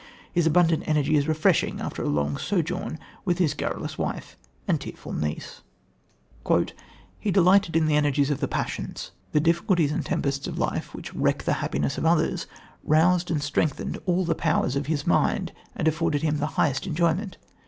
His abundant energy is refreshing after a long sojourn with his garrulous wife and tearful niece. "He delighted in the energies of the passions, the difficulties and tempests of life which wreck the happiness of others roused and strengthened all the powers of his mind, and afforded him the highest enjoyment...